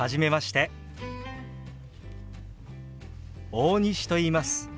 大西といいます。